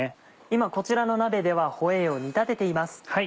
今こちらの鍋ではホエーを煮立てています。